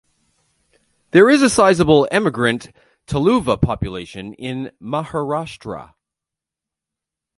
There is a sizable emigrant Tuluva population in Maharashtra.